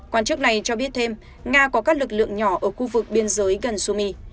quan chức này cho biết thêm nga có các lực lượng nhỏ ở khu vực biên giới gần sumi